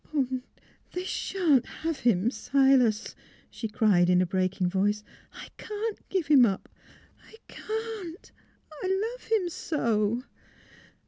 " They sha'n't have him, Silas! " she cried, in a breaking voice. *' I — I can't give him up — I can 't ! I love him so